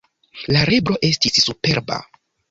La libro estis superba.